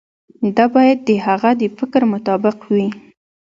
دا باید د هغه د فکر مطابق وي.